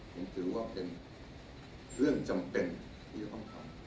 ผมถือว่าเป็นเรื่องจำเป็นที่จะต้องทำ